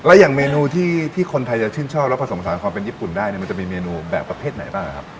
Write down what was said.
แล้วอย่างเมนูที่คนไทยจะชื่นชอบแล้วผสมผสานความเป็นญี่ปุ่นได้เนี่ยมันจะมีเมนูแบบประเภทไหนบ้างครับ